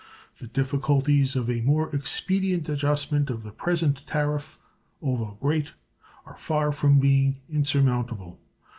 The difficulties of a more expedient adjustment of the present tariff, although great, are far from being insurmountable.